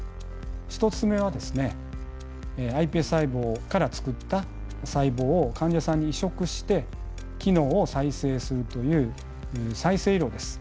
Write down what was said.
１つ目はですねｉＰＳ細胞からつくった細胞を患者さんに移植して機能を再生するという再生医療です。